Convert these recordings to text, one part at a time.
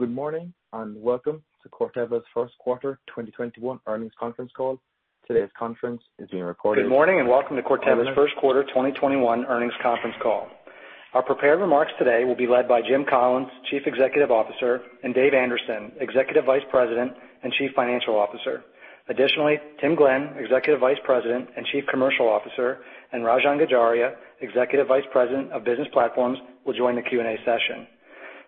Good morning, welcome to Corteva's first quarter 2021 earnings conference call. Today's conference is being recorded. Good morning, and welcome to Corteva's first quarter 2021 earnings conference call. Our prepared remarks today will be led by Jim Collins, Chief Executive Officer, and Dave Anderson, Executive Vice President and Chief Financial Officer. Additionally, Tim Glenn, Executive Vice President and Chief Commercial Officer, and Rajan Gajaria, Executive Vice President of Business Platforms, will join the Q&A session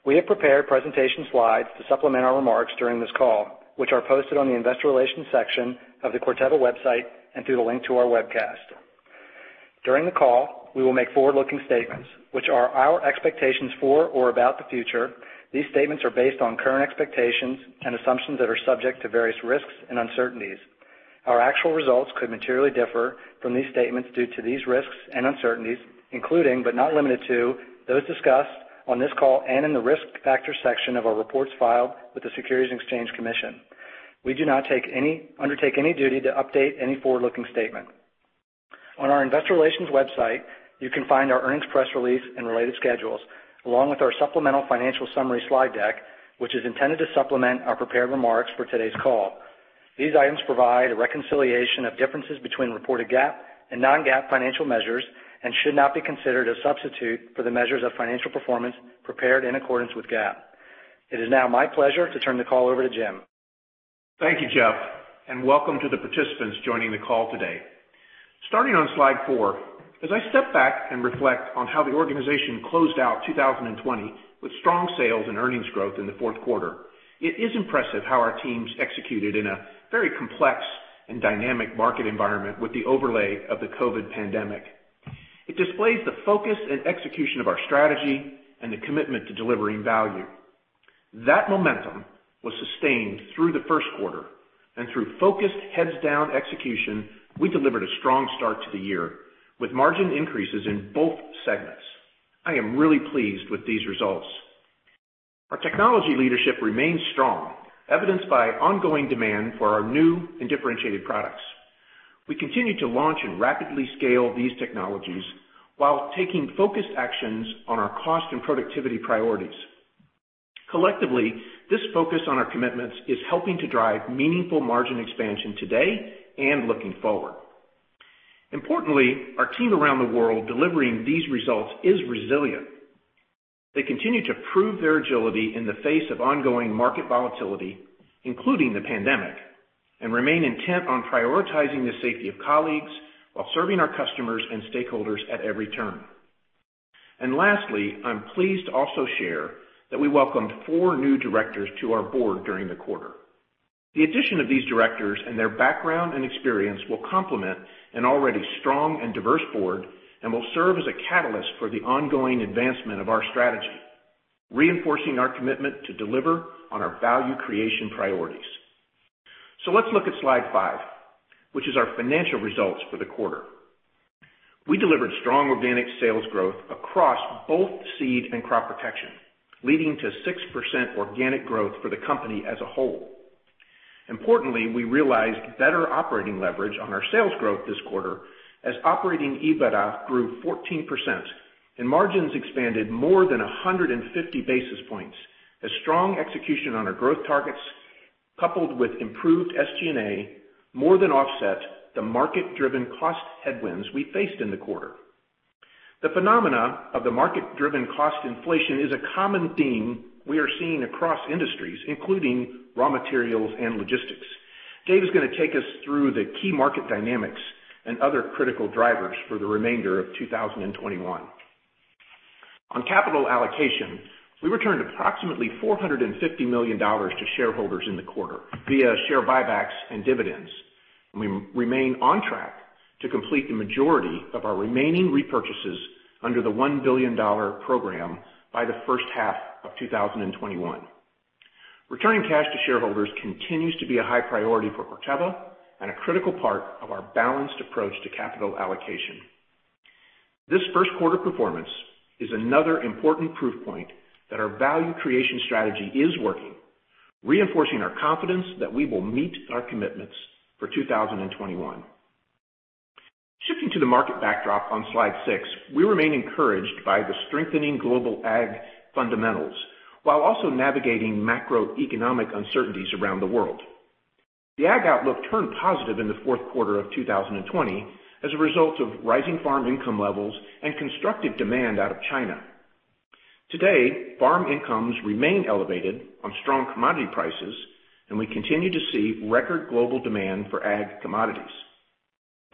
We have prepared presentation slides to supplement our remarks during this call, which are posted on the investor relations section of the Corteva website and through the link to our webcast. During the call, we will make forward-looking statements, which are our expectations for or about the future. These statements are based on current expectations and assumptions that are subject to various risks and uncertainties. Our actual results could materially differ from these statements due to these risks and uncertainties, including, but not limited to, those discussed on this call and in the risk factors section of our reports filed with the Securities and Exchange Commission. We do not undertake any duty to update any forward-looking statement. On our investor relations website, you can find our earnings press release and related schedules, along with our supplemental financial summary slide deck, which is intended to supplement our prepared remarks for today's call. These items provide a reconciliation of differences between reported GAAP and non-GAAP financial measures and should not be considered a substitute for the measures of financial performance prepared in accordance with GAAP. It is now my pleasure to turn the call over to Jim. Thank you, Jeff, welcome to the participants joining the call today. Starting on slide four, as I step back and reflect on how the organization closed out 2020 with strong sales and earnings growth in the fourth quarter, it is impressive how our teams executed in a very complex and dynamic market environment with the overlay of the COVID pandemic. It displays the focus and execution of our strategy and the commitment to delivering value. That momentum was sustained through the first quarter and through focused heads down execution, we delivered a strong start to the year with margin increases in both segments. I am really pleased with these results. Our technology leadership remains strong, evidenced by ongoing demand for our new and differentiated products. We continue to launch and rapidly scale these technologies while taking focused actions on our cost and productivity priorities. Collectively, this focus on our commitments is helping to drive meaningful margin expansion today and looking forward. Importantly, our team around the world delivering these results is resilient. They continue to prove their agility in the face of ongoing market volatility, including the pandemic, and remain intent on prioritizing the safety of colleagues while serving our customers and stakeholders at every turn. Lastly, I'm pleased to also share that we welcomed four new directors to our board during the quarter. The addition of these directors and their background and experience will complement an already strong and diverse board and will serve as a catalyst for the ongoing advancement of our strategy, reinforcing our commitment to deliver on our value creation priorities. Let's look at slide five, which is our financial results for the quarter. We delivered strong organic sales growth across both seed and crop protection, leading to 6% organic growth for the company as a whole. Importantly, we realized better operating leverage on our sales growth this quarter as operating EBITDA grew 14% and margins expanded more than 150 basis points. A strong execution on our growth targets, coupled with improved SG&A more than offset the market-driven cost headwinds we faced in the quarter. The phenomena of the market-driven cost inflation is a common theme we are seeing across industries, including raw materials and logistics. Dave is going to take us through the key market dynamics and other critical drivers for the remainder of 2021. On capital allocation, we returned approximately $450 million to shareholders in the quarter via share buybacks and dividends. We remain on track to complete the majority of our remaining repurchases under the $1 billion program by the first half of 2021. Returning cash to shareholders continues to be a high priority for Corteva and a critical part of our balanced approach to capital allocation. This first quarter performance is another important proof point that our value creation strategy is working, reinforcing our confidence that we will meet our commitments for 2021. Shifting to the market backdrop on slide six, we remain encouraged by the strengthening global ag-fundamentals while also navigating macroeconomic uncertainties around the world. The ag outlook turned positive in the fourth quarter of 2020 as a result of rising farm income levels and constructive demand out of China. Today, farm incomes remain elevated on strong commodity prices, and we continue to see record global demand for ag-commodities.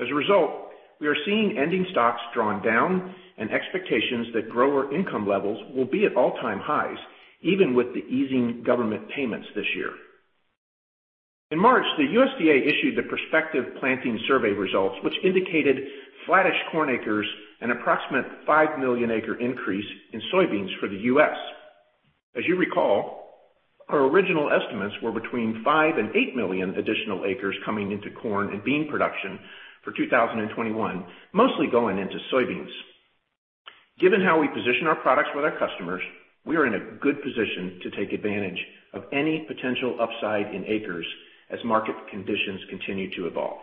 As a result, we are seeing ending stocks drawn down and expectations that grower income levels will be at all-time highs, even with the easing government payments this year. In March, the USDA issued the prospective planting survey results, which indicated flattish corn acres, an approximate 5 million acre increase in soybeans for the U.S. As you recall, our original estimates were between five and eight million additional acres coming into corn and bean production for 2021, mostly going into soybeans. Given how we position our products with our customers, we are in a good position to take advantage of any potential upside in acres as market conditions continue to evolve.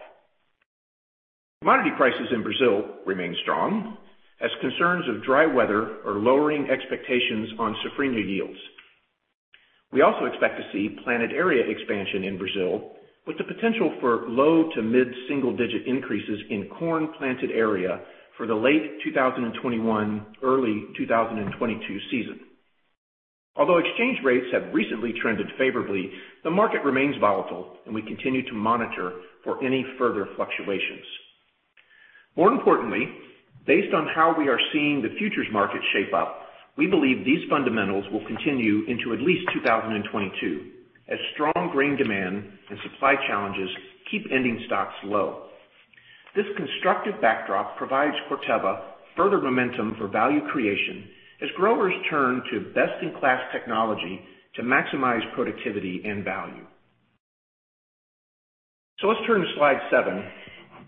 Commodity prices in Brazil remain strong as concerns of dry weather are lowering expectations on Safrinha yields. We also expect to see planted area expansion in Brazil with the potential for low to mid-single digit increases in corn planted area for the late 2021, early 2022 season. Although exchange rates have recently trended favorably, the market remains volatile, and we continue to monitor for any further fluctuations. More importantly, based on how we are seeing the futures market shape up, we believe these fundamentals will continue into at least 2022, as strong grain demand and supply challenges keep ending stocks low. This constructive backdrop provides Corteva further momentum for value creation as growers turn to best-in-class technology to maximize productivity and value. Let's turn to slide seven,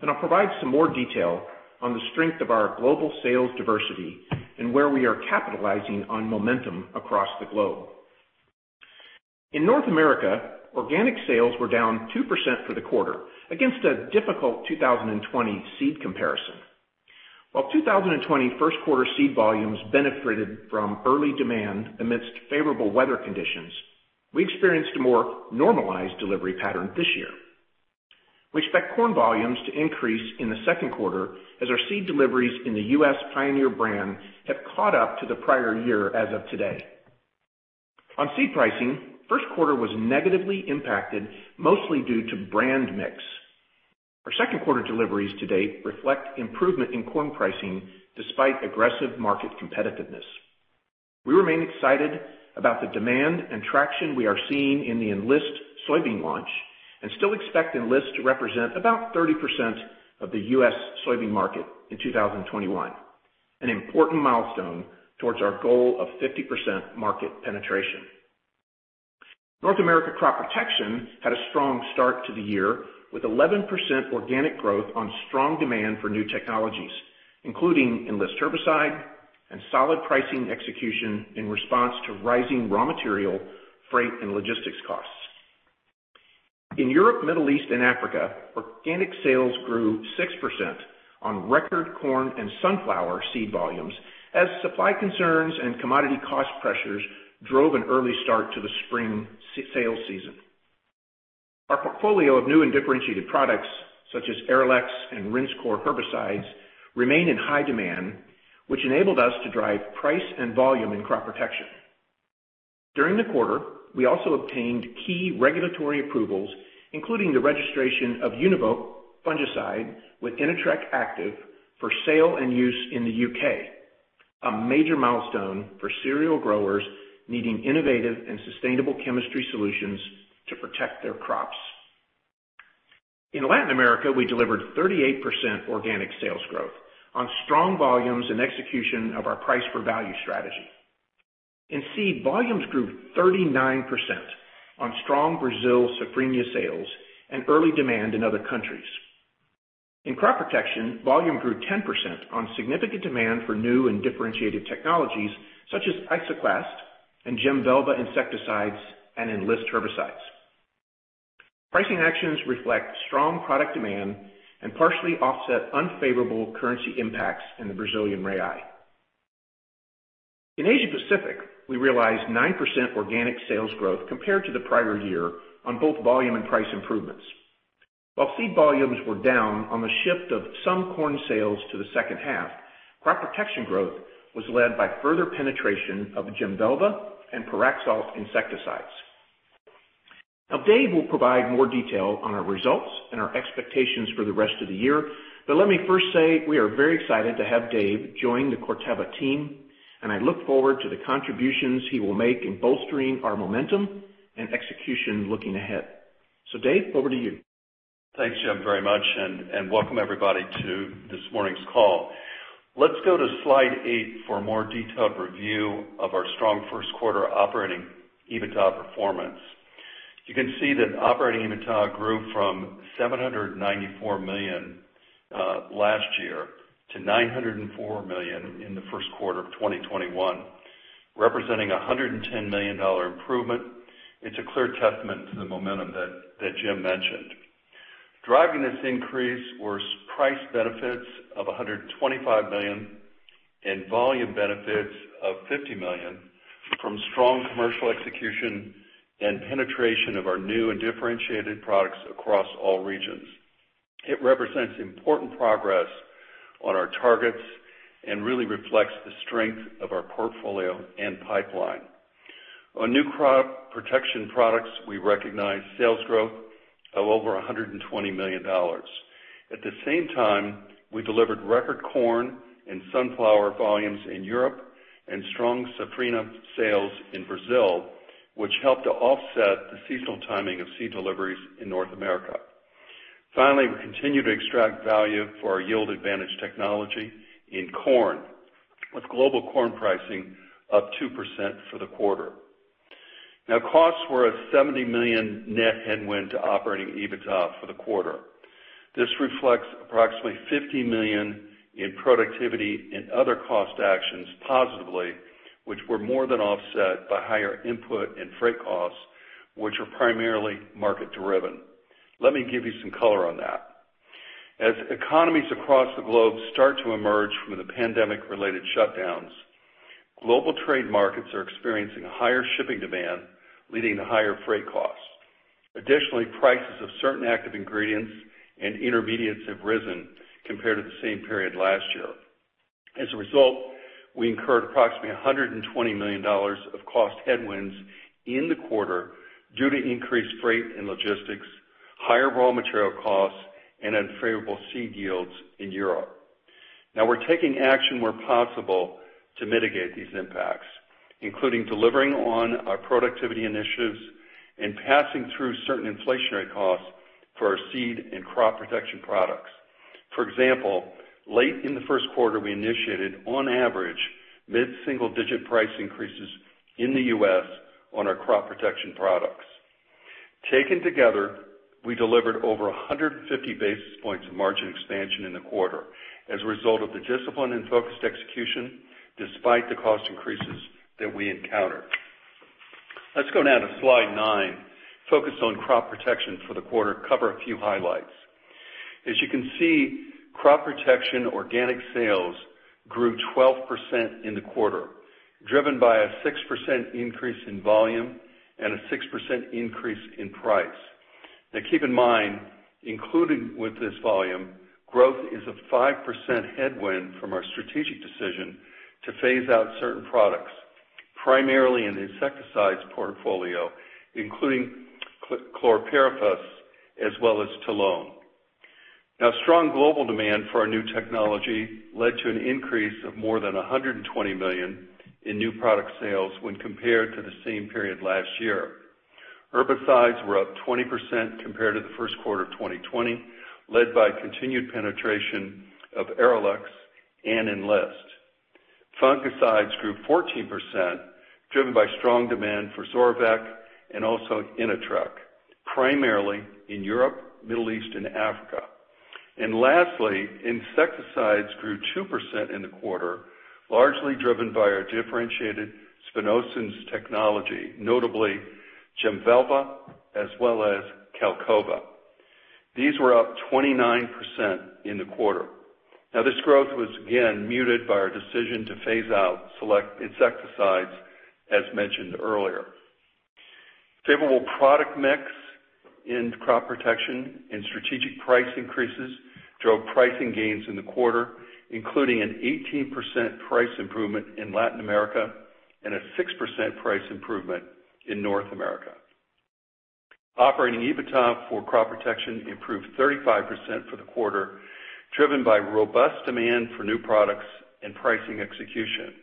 and I'll provide some more detail on the strength of our global sales diversity and where we are capitalizing on momentum across the globe. In North America, organic sales were down 2% for the quarter against a difficult 2020 seed comparison. While 2020 first quarter seed volumes benefited from early demand amidst favorable weather conditions, we experienced a more normalized delivery pattern this year. We expect corn volumes to increase in the second quarter as our seed deliveries in the U.S. Pioneer brand have caught up to the prior year as of today. On seed pricing, first quarter was negatively impacted, mostly due to brand mix. Our second quarter deliveries to date reflect improvement in corn pricing despite aggressive market competitiveness. We remain excited about the demand and traction we are seeing in the Enlist soybean launch and still expect Enlist to represent about 30% of the U.S. soybean market in 2021, an important milestone towards our goal of 50% market penetration. North America crop protection had a strong start to the year with 11% organic growth on strong demand for new technologies, including Enlist herbicide and solid pricing execution in response to rising raw material, freight, and logistics costs. In Europe, Middle East, and Africa, organic sales grew 6% on record corn and sunflower seed volumes as supply concerns and commodity cost pressures drove an early start to the spring sales season. Our portfolio of new and differentiated products such as Arylex and Rinskor herbicides remain in high demand, which enabled us to drive price and volume in crop protection. During the quarter, we also obtained key regulatory approvals, including the registration of Univoq fungicide with Inatreq active for sale and use in the U.K., a major milestone for cereal growers needing innovative and sustainable chemistry solutions to protect their crops. In Latin America, we delivered 38% organic sales growth on strong volumes and execution of our price for value strategy. In seed, volumes grew 39% on strong Brazil Safrinha sales and early demand in other countries. In crop protection, volume grew 10% on significant demand for new and differentiated technologies such as Isoclast and Jemvelva insecticides and Enlist herbicides. Pricing actions reflect strong product demand and partially offset unfavorable currency impacts in the Brazilian real. In Asia Pacific, we realized 9% organic sales growth compared to the prior year on both volume and price improvements. While seed volumes were down on the shift of some corn sales to the second half, crop protection growth was led by further penetration of Jemvelva and Pyraxalt insecticides. Now Dave will provide more detail on our results and our expectations for the rest of the year. Let me first say, we are very excited to have Dave join the Corteva team, and I look forward to the contributions he will make in bolstering our momentum and execution looking ahead. Dave, over to you. Thanks, Jim, very much, and welcome everybody to this morning's call. Let's go to slide eight for a more detailed review of our strong first quarter operating EBITDA performance. You can see that operating EBITDA grew from $794 million last year- $904 million in the first quarter of 2021, representing $110 million improvement. It's a clear testament to the momentum that Jim mentioned. Driving this increase was price benefits of $125 million and volume benefits of $50 million from strong commercial execution and penetration of our new and differentiated products across all regions. It represents important progress on our targets and really reflects the strength of our portfolio and pipeline. On new crop protection products, we recognized sales growth of over $120 million. At the same time, we delivered record corn and sunflower volumes in Europe and strong Safrinha sales in Brazil, which helped to offset the seasonal timing of seed deliveries in North America. Finally, we continue to extract value for our yield advantage technology in corn, with global corn pricing up 2% for the quarter. Costs were a $70 million net headwind to operating EBITDA for the quarter. This reflects approximately $50 million in productivity and other cost actions positively, which were more than offset by higher input and freight costs, which are primarily market-driven. Let me give you some color on that. As economies across the globe start to emerge from the pandemic-related shutdowns, global trade markets are experiencing higher shipping demand, leading to higher freight costs. Additionally, prices of certain active ingredients and intermediates have risen compared to the same period last year. As a result, we incurred approximately $120 million of cost headwinds in the quarter due to increased freight and logistics, higher raw material costs, and unfavorable seed yields in Europe. Now we're taking action where possible to mitigate these impacts, including delivering on our productivity initiatives and passing through certain inflationary costs for our seed and crop protection products. For example, late in the first quarter, we initiated on average mid-single-digit price increases in the U.S. on our crop protection products. Taken together, we delivered over 150 basis points of margin expansion in the quarter as a result of the discipline and focused execution, despite the cost increases that we encountered. Let's go now to slide nine, focused on crop protection for the quarter, cover a few highlights. As you can see, crop protection organic sales grew 12% in the quarter, driven by a 6% increase in volume and a 6% increase in price. Now, keep in mind, including with this volume, growth is a 5% headwind from our strategic decision to phase out certain products, primarily in the insecticides portfolio, including chlorpyrifos as well as Talon. Now, strong global demand for our new technology led to an increase of more than $120 million in new product sales when compared to the same period last year. Herbicides were up 20% compared to the first quarter of 2020, led by continued penetration of Arylex and Enlist. Fungicides grew 14%, driven by strong demand for Zorvec and also Inatreq, primarily in Europe, Middle East, and Africa. Lastly, insecticides grew 2% in the quarter, largely driven by our differentiated spinosyns technology, notably Jemvelva as well as Qalcova. These were up 29% in the quarter. This growth was again muted by our decision to phase out select insecticides, as mentioned earlier. Favorable product mix in crop protection and strategic price increases drove pricing gains in the quarter, including an 18% price improvement in Latin America and a 6% price improvement in North America. Operating EBITDA for crop protection improved 35% for the quarter, driven by robust demand for new products and pricing execution.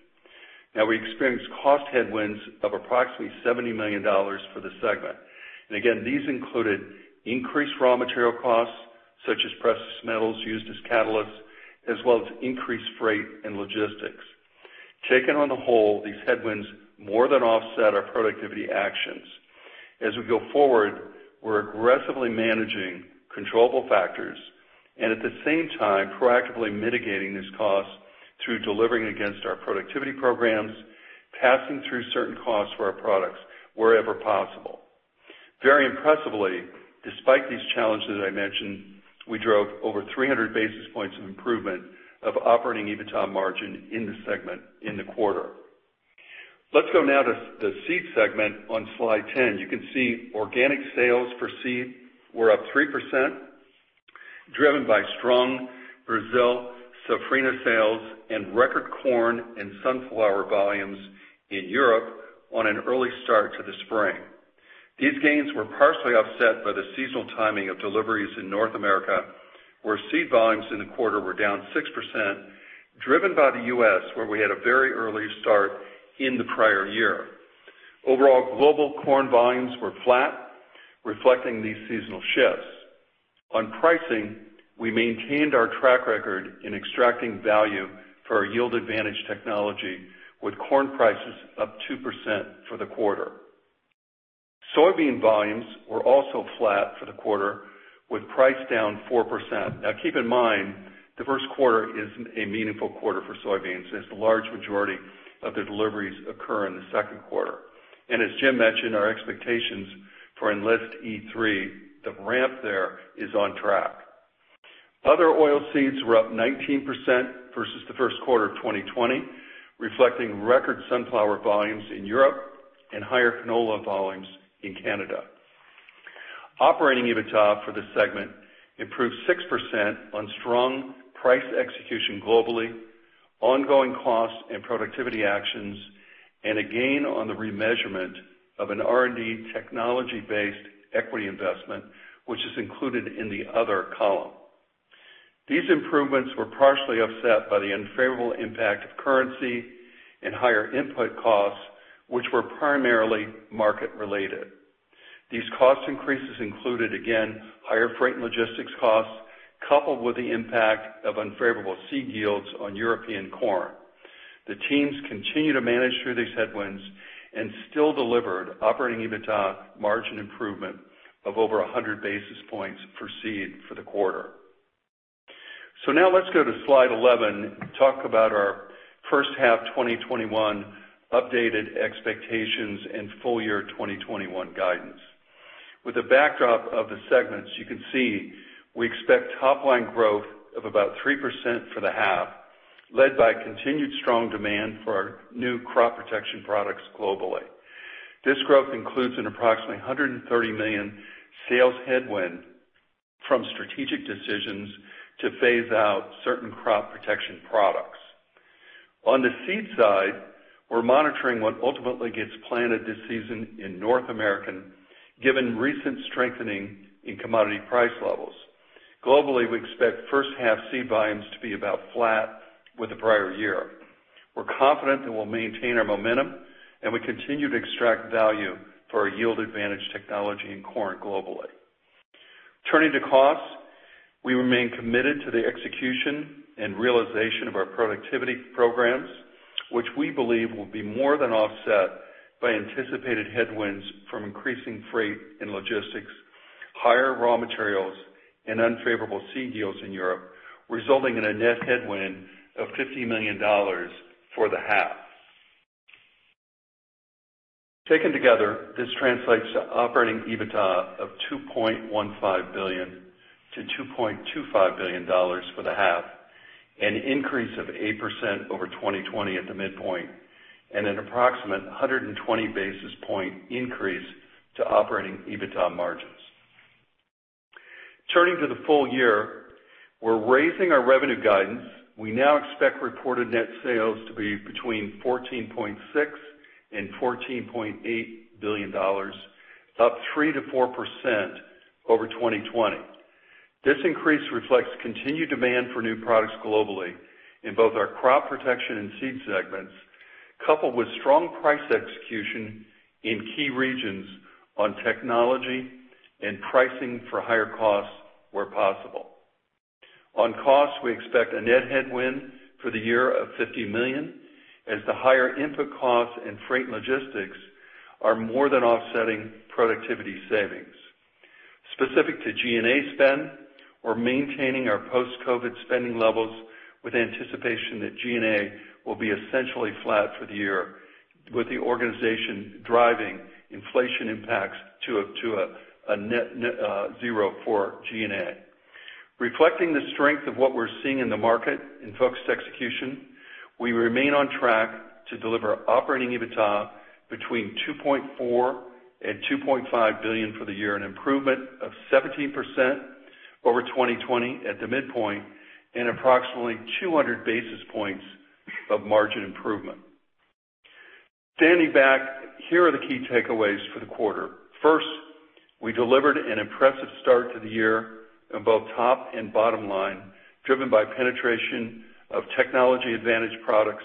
We experienced cost headwinds of approximately $70 million for the segment. Again, these included increased raw material costs, such as precious metals used as catalysts, as well as increased freight and logistics. Taken on the whole, these headwinds more than offset our productivity actions. As we go forward, we're aggressively managing controllable factors and at the same time, proactively mitigating these costs through delivering against our productivity programs, passing through certain costs for our products wherever possible. Very impressively, despite these challenges I mentioned, we drove over 300 basis points of improvement of operating EBITDA margin in the segment in the quarter. Let's go now to the seed segment on slide 10. You can see organic sales for seed were up 3%, driven by strong Brazil Safrinha sales and record corn and sunflower volumes in Europe on an early start to the spring. These gains were partially offset by the seasonal timing of deliveries in North America, where seed volumes in the quarter were down 6%, driven by the U.S., where we had a very early start in the prior year. Overall, global corn volumes were flat, reflecting these seasonal shifts. On pricing, we maintained our track record in extracting value for our yield advantage technology, with corn prices up 2% for the quarter. Soybean volumes were also flat for the quarter, with price down 4%. Keep in mind, the first quarter isn't a meaningful quarter for soybeans, as the large majority of the deliveries occur in the second quarter. As Jim mentioned, our expectations for Enlist E3, the ramp there is on track. Other oil seeds were up 19% versus the first quarter of 2020, reflecting record sunflower volumes in Europe and higher canola volumes in Canada. Operating EBITDA for this segment improved 6% on strong price execution globally, ongoing costs and productivity actions, and a gain on the remeasurement of an R&D technology-based equity investment, which is included in the other column. These improvements were partially offset by the unfavorable impact of currency and higher input costs, which were primarily market-related. These cost increases included, again, higher freight and logistics costs, coupled with the impact of unfavorable seed yields on European corn. The teams continue to manage through these headwinds and still delivered operating EBITDA margin improvement of over 100 basis points for seed for the quarter. Now let's go to slide 11, talk about our first half 2021 updated expectations and full year 2021 guidance. With the backdrop of the segments, you can see we expect top line growth of about 3% for the half, led by continued strong demand for our new crop protection products globally. This growth includes an approximately $130 million sales headwind from strategic decisions to phase out certain crop protection products. On the seed side, we're monitoring what ultimately gets planted this season in North America, given recent strengthening in commodity price levels. Globally, we expect first half seed volumes to be about flat with the prior year. We're confident that we'll maintain our momentum. We continue to extract value for our yield advantage technology in corn globally. Turning to costs, we remain committed to the execution and realization of our productivity programs, which we believe will be more than offset by anticipated headwinds from increasing freight and logistics, higher raw materials, and unfavorable seed yields in Europe, resulting in a net headwind of $50 million for the half. Taken together, this translates to operating EBITDA of $2.15 billion-$2.25 billion for the half, an increase of 8% over 2020 at the midpoint, and an approximate 120 basis point increase to operating EBITDA margins. Turning to the full-year, we're raising our revenue guidance. We now expect reported net sales to be between $14.6 billion and $14.8 billion, up 3%-4% over 2020. This increase reflects continued demand for new products globally in both our crop protection and seed segments, coupled with strong price execution in key regions on technology and pricing for higher costs where possible. On costs, we expect a net headwind for the year of $50 million as the higher input costs and freight logistics are more than offsetting productivity savings. Specific to G&A spend, we're maintaining our post-COVID spending levels with anticipation that G&A will be essentially flat for the year with the organization driving inflation impacts to a net zero for G&A. Reflecting the strength of what we're seeing in the market in focused execution, we remain on track to deliver operating EBITDA between $2.4 billion and $2.5 billion for the year, an improvement of 17% over 2020 at the midpoint and approximately 200 basis points of margin improvement. Standing back, here are the key takeaways for the quarter. First, we delivered an impressive start to the year in both top and bottom line, driven by penetration of technology advantage products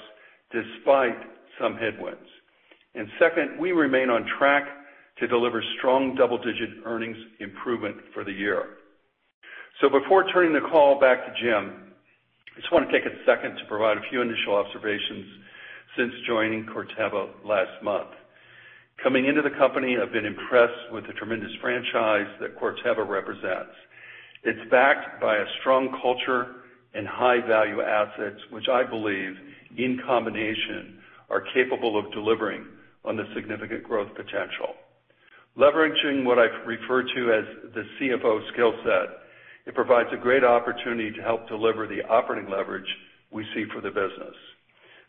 despite some headwinds. Second, we remain on track to deliver strong double-digit earnings improvement for the year. Before turning the call back to Jim, I just want to take a second to provide a few initial observations since joining Corteva last month. Coming into the company, I've been impressed with the tremendous franchise that Corteva represents. It's backed by a strong culture and high-value assets, which I believe in combination are capable of delivering on the significant growth potential. Leveraging what I refer to as the CFO skill set, it provides a great opportunity to help deliver the operating leverage we see for the business.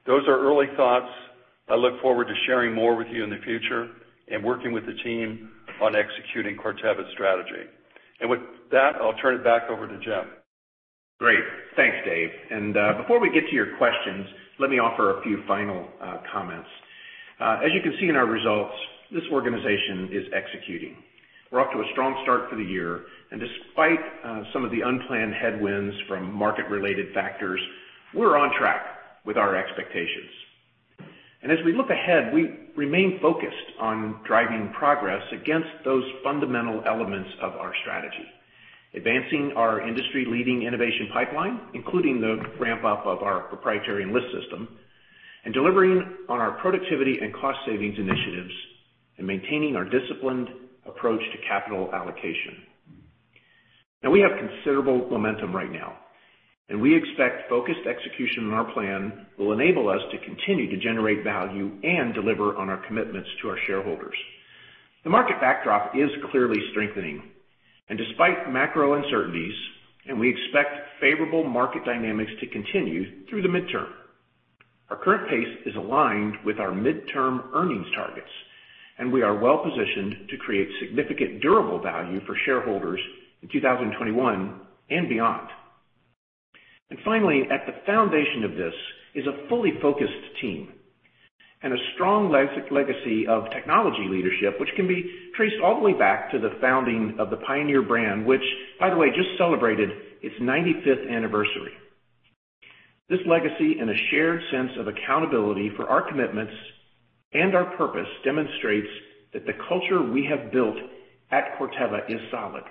Those are early thoughts. I look forward to sharing more with you in the future and working with the team on executing Corteva's strategy. With that, I'll turn it back over to Jim. Great. Thanks, Dave. Before we get to your questions, let me offer a few final comments. As you can see in our results, this organization is executing. We're off to a strong start for the year, and despite some of the unplanned headwinds from market-related factors, we're on track with our expectations. As we look ahead, we remain focused on driving progress against those fundamental elements of our strategy. Advancing our industry-leading innovation pipeline, including the ramp-up of our proprietary Enlist system, and delivering on the productivity and cost savings initiatives and maintaining our disciplined approach to capital allocation. Now, we have considerable momentum right now, and we expect focused execution on our plan will enable us to continue to generate value and deliver on our commitments to our shareholders. The market backdrop is clearly strengthening. Despite macro uncertainties, and we expect favorable market dynamics to continue through the midterm. Our current pace is aligned with our midterm earnings targets, and we are well-positioned to create significant durable value for shareholders in 2021 and beyond. Finally, at the foundation of this is a fully focused team and a strong legacy of technology leadership, which can be traced all the way back to the founding of the Pioneer brand, which by the way, just celebrated its 95th anniversary. This legacy and a shared sense of accountability for our commitments and our purpose demonstrates that the culture we have built at Corteva is solid.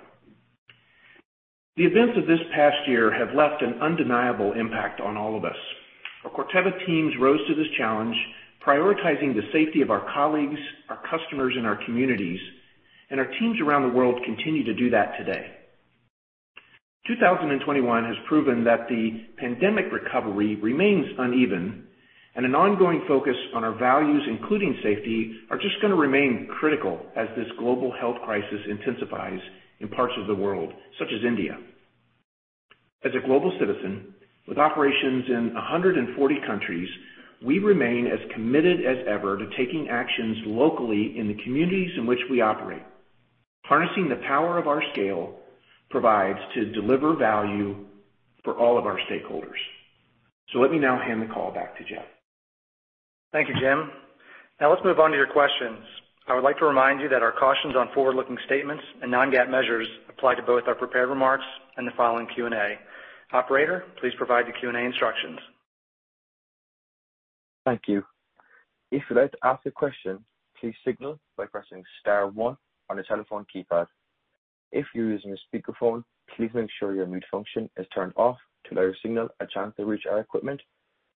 The events of this past year have left an undeniable impact on all of us. Our Corteva teams rose to this challenge, prioritizing the safety of our colleagues, our customers, and our communities, and our teams around the world continue to do that today. 2021 has proven that the pandemic recovery remains uneven, and an ongoing focus on our values, including safety, are just going to remain critical as this global health crisis intensifies in parts of the world, such as India. As a global citizen with operations in 140 countries, we remain as committed as ever to taking actions locally in the communities in which we operate. Harnessing the power of our scale provides to deliver value for all of our stakeholders. Let me now hand the call back to Jeff. Thank you, Jim. Let's move on to your questions. I would like to remind you that our cautions on forward-looking statements and non-GAAP measures apply to both our prepared remarks and the following Q&A. Operator, please provide the Q&A instructions. Thank you. If you would like to ask a question, please signal by pressing star one on the telephone keypad. If you are using a speaker phone, please make sure your mute function is turned off to let the signal a chance to reach our equipment.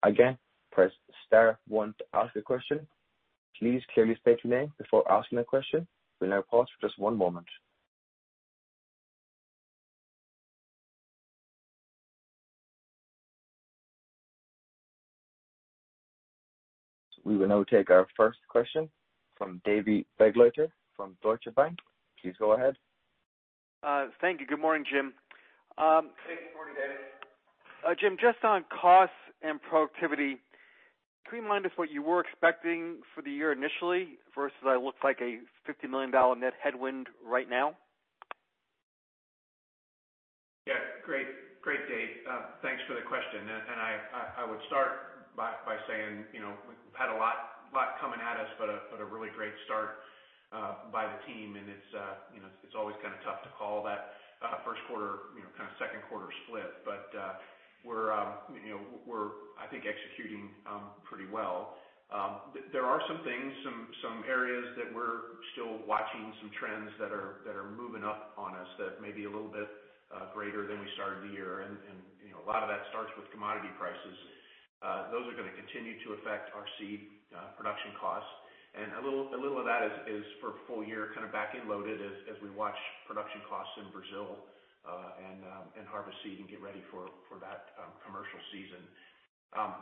Again press star one to ask a question. We'll now pause for one moment. We will now take our first question from Dave Begleiter from Deutsche Bank. Please go ahead. Thank you. Good morning, Jim. Thank you. Good morning, Dave. Jim, just on cost and productivity, can you remind us what you were expecting for the year initially versus what looks like a $50 million net headwind right now? Yeah. Great, Dave. Thanks for the question. I would start by saying, we've had a lot coming at us, but a really great start by the team. It's always kind of tough to call that first quarter, kind of second quarter split. We're I think executing pretty well. There are some things, some areas that we're still watching, some trends that are moving up on us that may be a little bit greater than we started the year. A lot of that starts with commodity prices. Those are going to continue to affect our seed production costs. A little of that is for full year, kind of back-end loaded as we watch production costs in Brazil and harvest seed and get ready for that commercial season.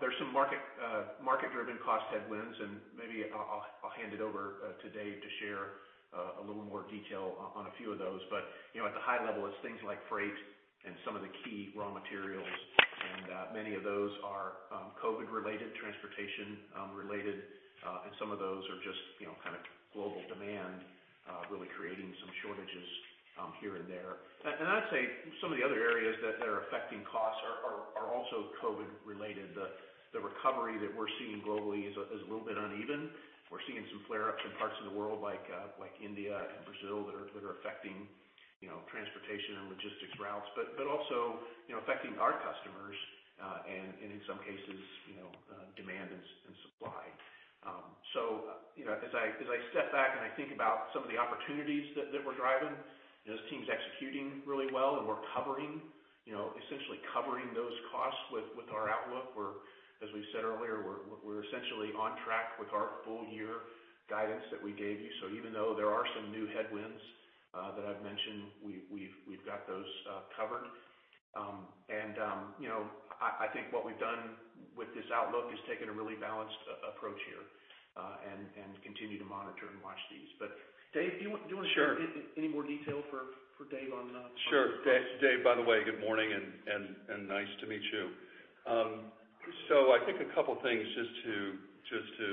There's some market-driven cost headwinds. Maybe I'll hand it over to Dave to share a little more detail on a few of those. At the high level, it's things like freight and some of the key raw materials, and many of those are COVID related, transportation related. Some of those are just kind of global demand really creating some shortages here and there. I'd say some of the other areas that are affecting costs are also COVID related. The recovery that we're seeing globally is a little bit uneven. We're seeing some flare-ups in parts of the world like India and Brazil that are affecting transportation and logistics routes, but also affecting our customers. In some cases, demand and supply. As I step back and I think about some of the opportunities that we're driving, this team's executing really well and we're essentially covering those costs with our outlook. As we said earlier, we're essentially on track with our full-year guidance that we gave you. Even though there are some new headwinds that I've mentioned, we've got those covered. I think what we've done with this outlook is taken a really balanced approach here, and continue to monitor and watch these. Dave, do you want to- Sure Any more detail for Dave on the? Sure. Dave, by the way, good morning and nice to meet you. I think a couple things just to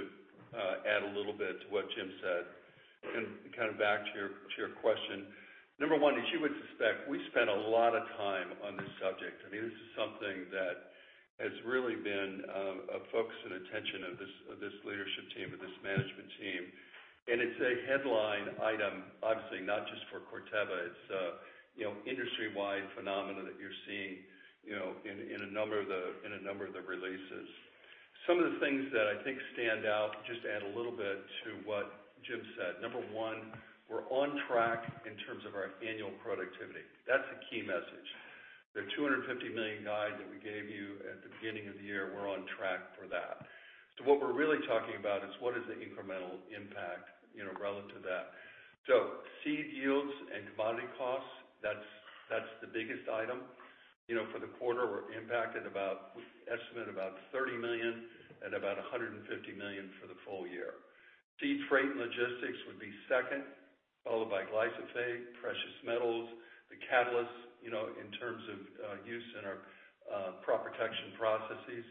add a little bit to what Jim said, and kind of back to your question. Number one, as you would suspect, we spent a lot of time on this subject. This is something that has really been a focus and attention of this leadership team or this management team. It's a headline item, obviously not just for Corteva. It's an industry-wide phenomena that you're seeing in a number of the releases. Some of the things that I think stand out, just to add a little bit to what Jim said. Number one, we're on track in terms of our annual productivity. That's the key message. The $250 million guide that we gave you at the beginning of the year, we're on track for that. What we're really talking about is what is the incremental impact relative to that. Seed yields and commodity costs, that's the biggest item. For the quarter, we estimate about $30 million and about $150 million for the full year. Seed freight and logistics would be second, followed by glyphosate, precious metals, the catalysts in terms of use in our crop protection processes,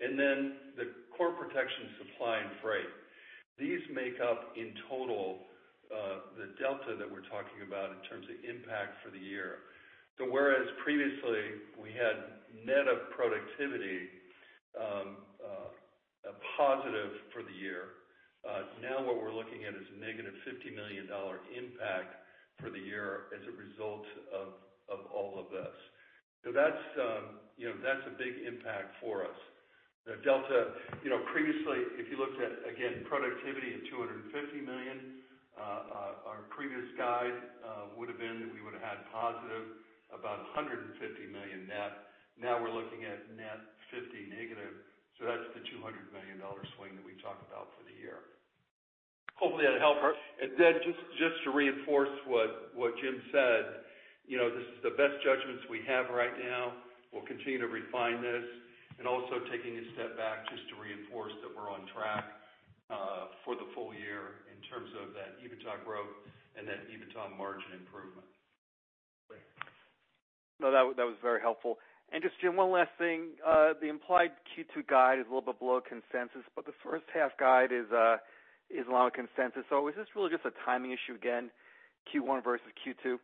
and then the crop protection supply and freight. These make up in total the delta that we're talking about in terms of impact for the year. Whereas previously we had net of productivity, a positive for the year. Now what we're looking at is a negative $50 million impact for the year as a result of all of this. That's a big impact for us. The delta, previously, if you looked at, again, productivity at $250 million. Our previous guide would have been that we would have had positive about $150 million net. Now we're looking at net $50 million negative. That's the $200 million swing that we talked about for the year. Hopefully that helped. Just to reinforce what Jim said, this is the best judgments we have right now. We'll continue to refine this. Taking a step back just to reinforce that we're on track for the full year in terms of that EBITDA growth and that EBITDA margin improvement. Great. No, that was very helpful. Just Jim, one last thing. The implied Q2 guide is a little bit below consensus, but the first half guide is along consensus. Is this really just a timing issue again, Q1 versus Q2?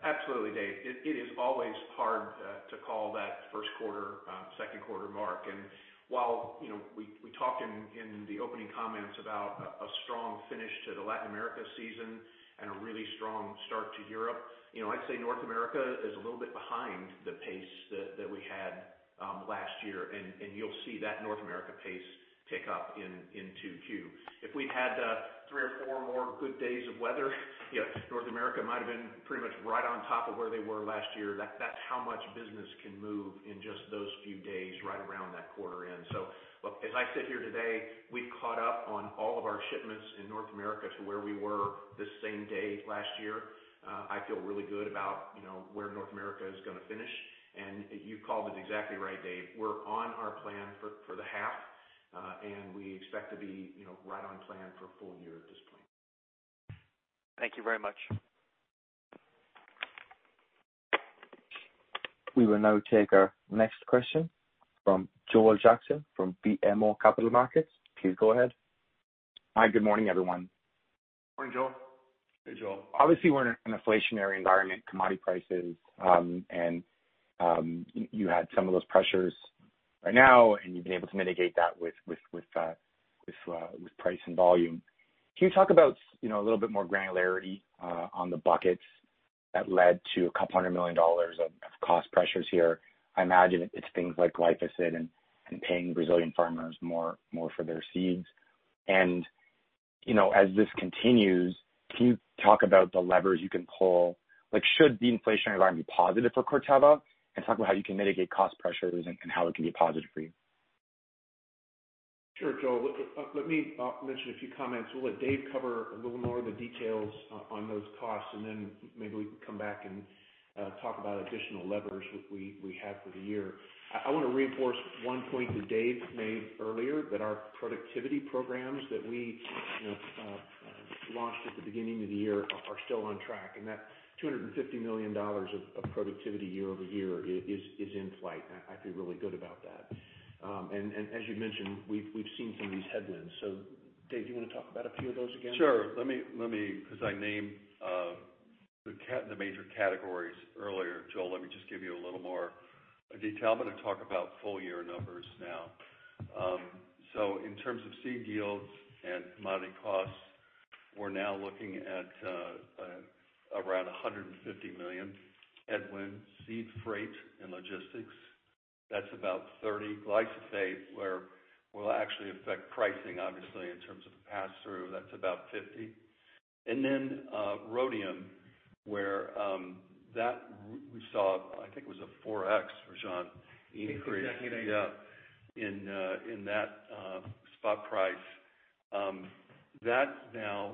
Absolutely Dave. It is always hard to call that first quarter, second quarter mark. While we talked in the opening comments about a strong finish to the Latin America season and a really strong start to Europe, I'd say North America is a little bit behind the pace that we had last year. You'll see that North America pace tick up into Q2. If we'd had three or four more good days of weather, North America might have been pretty much right on top of where they were last year. That's how much business can move in just those few days right around that quarter end. Look, as I sit here today, we've caught up on all of our shipments in North America to where we were this same day last year. I feel really good about where North America is going to finish. You called it exactly right, Dave. We're on our plan for the half. We expect to be right on plan for full-year at this point. Thank you very much. We will now take our next question from Joel Jackson from BMO Capital Markets. Please go ahead. Hi. Good morning, everyone. Morning, Joel. Hey, Joel. Obviously, we're in an inflationary environment, commodity prices, and you had some of those pressures right now, and you've been able to mitigate that with price and volume. Can you talk about a little bit more granularity on the buckets that led to a couple hundred million dollars of cost pressures here? I imagine it's things like glyphosate and paying Brazilian farmers more for their seeds. As this continues, can you talk about the levers you can pull? Should the inflationary environment be positive for Corteva? Talk about how you can mitigate cost pressures and how it can be a positive for you. Sure, Joel. Let me mention a few comments. We'll let Dave cover a little more of the details on those costs, and then maybe we can come back and talk about additional levers we have for the year. I want to reinforce one point that Dave made earlier, that our productivity programs that we launched at the beginning of the year are still on track. That $250 million of productivity year-over-year is in flight, and I feel really good about that. As you mentioned, we've seen some of these headwinds. Dave, do you want to talk about a few of those again? Sure. Because I named the major categories earlier, Joel, let me just give you a little more detail. I'm going to talk about full year numbers now. In terms of seed yields and commodity costs, we're now looking at around $150 million headwind. Seed, freight, and logistics, that's about $30 million. glyphosate will actually affect pricing, obviously, in terms of the pass-through. That's about $50 million. Rhodium, where that we saw, I think it was a 4x, Rajan. I think that's exactly right. In that spot price. That's now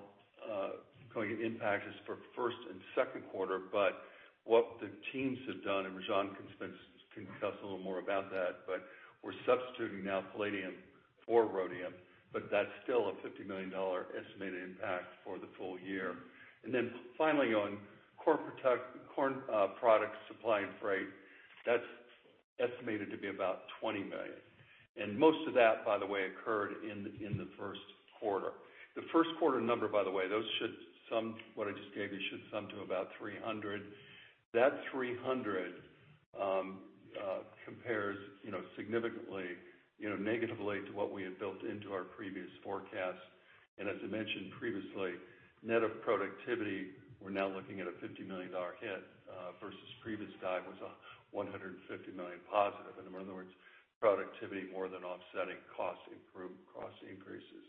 going to impact us for first and second quarter, but what the teams have done, and Rajan can discuss a little more about that, but we're substituting now palladium for rhodium, but that's still a $50 million estimated impact for the full year. Finally, on corn products supply and freight, that's estimated to be about $20 million. Most of that, by the way, occurred in the first quarter. The first quarter number, by the way, what I just gave you should sum to about $300 million. That $300 million compares significantly negatively to what we had built into our previous forecast. As I mentioned previously, net of productivity, we're now looking at a $50 million hit versus previous guide was a $150 million positive. In other words, productivity more than offsetting cost increases.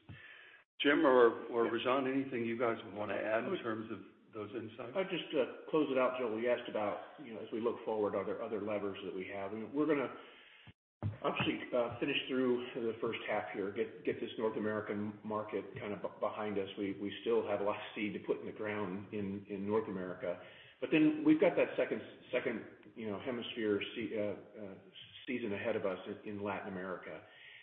Jim or Rajan, anything you guys would want to add in terms of those insights? I'd just close it out, Joel. You asked about, as we look forward, are there other levers that we have? We're going to obviously finish through the first half here, get this North American market kind of behind us. We still have a lot of seed to put in the ground in North America. We've got that second hemisphere season ahead of us in Latin America.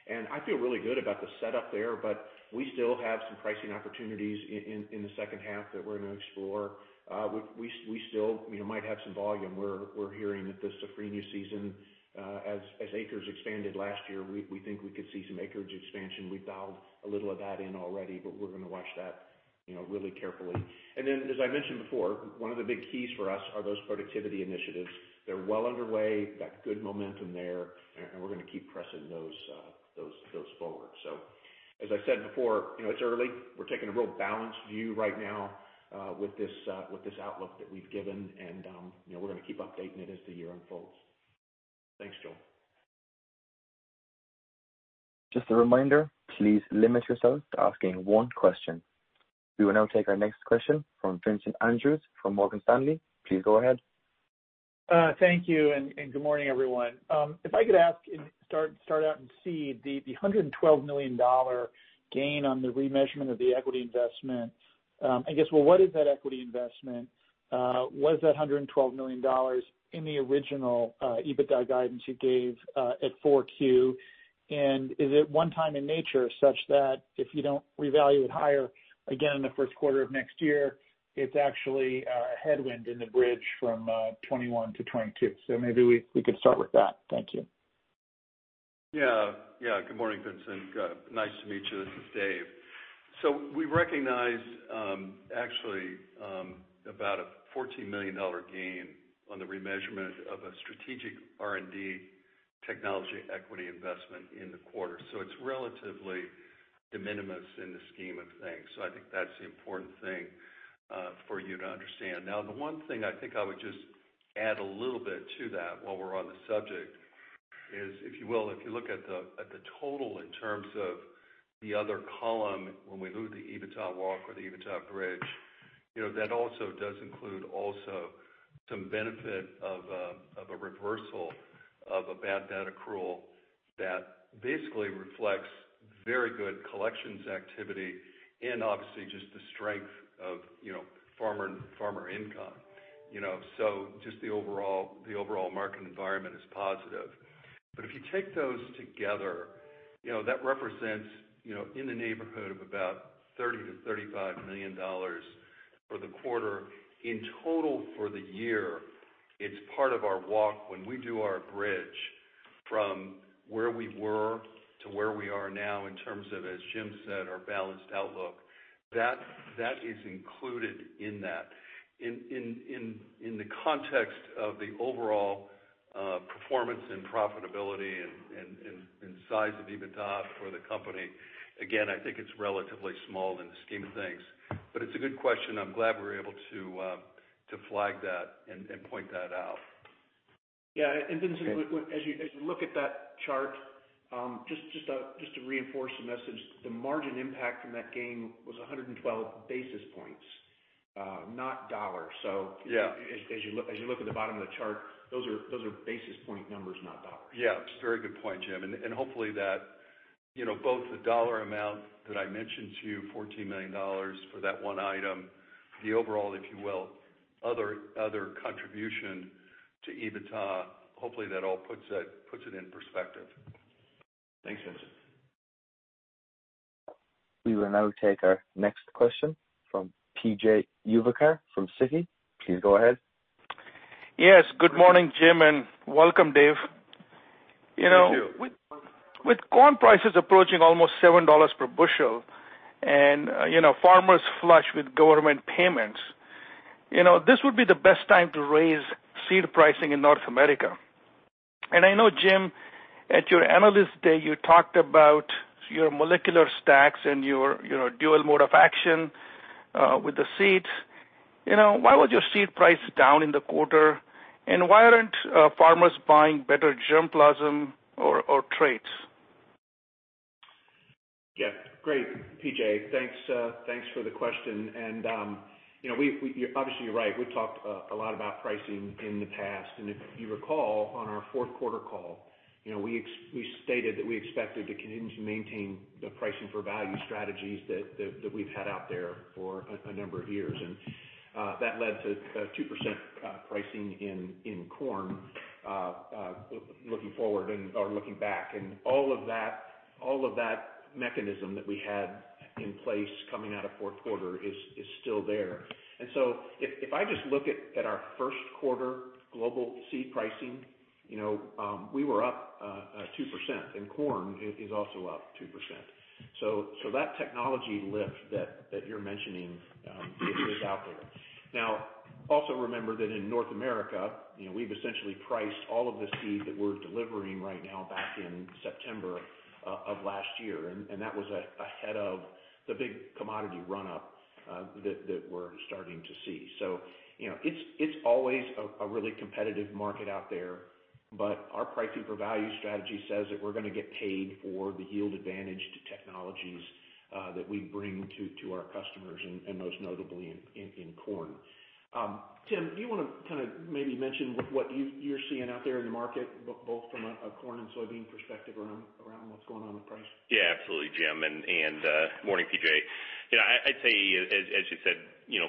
I feel really good about the setup there, but we still have some pricing opportunities in the second half that we're going to explore. We still might have some volume. We're hearing that the Safrinha season, as acres expanded last year, we think we could see some acreage expansion. We've dialed a little of that in already, but we're going to watch that really carefully. As I mentioned before, one of the big keys for us are those productivity initiatives. They're well underway, got good momentum there, and we're going to keep pressing those forward. As I said before, it's early. We're taking a real balanced view right now with this outlook that we've given, and we're going to keep updating it as the year unfolds. Thanks, Joel. Just a reminder, please limit yourself to asking one question. We will now take our next question from Vincent Andrews from Morgan Stanley. Please go ahead. Thank you. Good morning, everyone. If I could ask and start out in seed, the $112 million gain on the remeasurement of the equity investment. I guess, what is that equity investment? Was that $112 million in the original EBITDA guidance you gave at Q4? Is it one time in nature, such that if you don't revalue it higher again in the first quarter of next year, it's actually a headwind in the bridge from 2021-2022? Maybe we could start with that. Thank you. Yeah. Good morning, Vincent. Nice to meet you. This is Dave. We recognized, actually, about a $14 million gain on the remeasurement of a strategic R&D technology equity investment in the quarter. It's relatively de minimis in the scheme of things. I think that's the important thing for you to understand. The one thing I think I would just add a little bit to that while we're on the subject is, if you will, if you look at the total in terms of the other column, when we move the EBITDA walk or the EBITDA bridge. That also does include some benefit of a reversal of a bad debt accrual that basically reflects very good collections activity and obviously just the strength of farmer income. Just the overall market environment is positive. If you take those together, that represents in the neighborhood of about $30 million-$35 million for the quarter. In total for the year, it's part of our walk when we do our bridge from where we were to where we are now in terms of, as Jim said, our balanced outlook. That is included in that. In the context of the overall performance and profitability and size of EBITDA for the company, again, I think it's relatively small in the scheme of things. It's a good question. I'm glad we were able to flag that and point that out. Yeah. Vincent, as you look at that chart, just to reinforce the message, the margin impact from that gain was 112 basis points, not dollars. Yeah. As you look at the bottom of the chart, those are basis point numbers, not dollars. Yeah. That's a very good point, Jim. Hopefully both the dollar amount that I mentioned to you, $14 million for that one item, the overall, if you will, other contribution to EBITDA, hopefully that all puts it in perspective. Thanks, Vincent. We will now take our next question from P.J. Juvekar from Citi. Please go ahead. Yes, good morning, Jim, and welcome, Dave. Thank you. With corn prices approaching almost $7 per bushel and farmers flush with government payments, this would be the best time to raise seed pricing in North America. I know, Jim, at your analyst day, you talked about your molecular stacks and your dual mode of action with the seeds. Why was your seed price down in the quarter, why aren't farmers buying better germplasm or traits? Yeah. Great, P.J. Thanks for the question. Obviously, you're right. We've talked a lot about pricing in the past. If you recall, on our fourth quarter call, we stated that we expected to continue to maintain the pricing for value strategies that we've had out there for a number of years. That led to 2% pricing in corn looking back. All of that mechanism that we had in place coming out of fourth quarter is still there. If I just look at our first quarter global seed pricing, we were up 2%, and corn is also up 2%. That technology lift that you're mentioning is out there. Also remember that in North America, we've essentially priced all of the seed that we're delivering right now back in September of last year, and that was ahead of the big commodity run-up that we're starting to see. It's always a really competitive market out there, but our pricing-for-value strategy says that we're going to get paid for the yield advantage to technologies that we bring to our customers, and most notably in corn. Tim, do you want to maybe mention what you're seeing out there in the market, both from a corn and soybean perspective around what's going on with price? Yeah, absolutely, Jim. Morning, P.J. I'd say, as you said,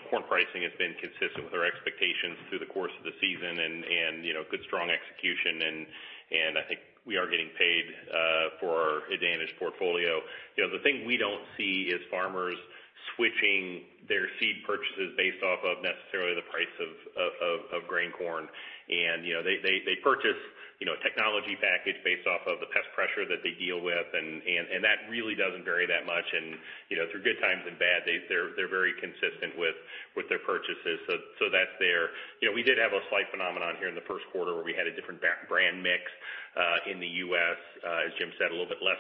corn pricing has been consistent with our expectations through the course of the season and good, strong execution, and I think we are getting paid for our advantaged portfolio. The thing we don't see is farmers switching their seed purchases based off of necessarily the price of grain corn. They purchase a technology package based off of the pest pressure that they deal with, and that really doesn't vary that much. Through good times and bad, they're very consistent with their purchases. That's there. We did have a slight phenomenon here in the first quarter where we had a different brand mix in the U.S., as Jim said.